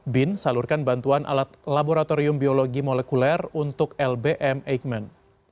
bin salurkan bantuan alat laboratorium biologi molekuler untuk lbm eijkman